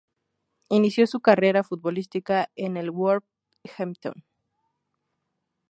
Inició su carrera futbolística en el Wolverhampton.